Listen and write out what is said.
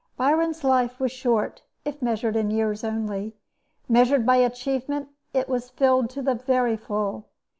Byron's life was short, if measured by years only. Measured by achievement, it was filled to the very full.